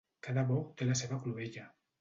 Cada bo té la seva clovella.